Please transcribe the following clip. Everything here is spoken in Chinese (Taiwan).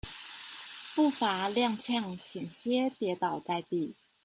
步伐踉蹌險些跌倒在地